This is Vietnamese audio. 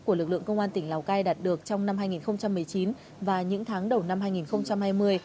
của lực lượng công an tỉnh lào cai đạt được trong năm hai nghìn một mươi chín và những tháng đầu năm hai nghìn hai mươi